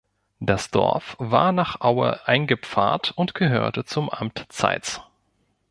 Das Dorf war nach Aue eingepfarrt und gehörte zum Amt Zeitz.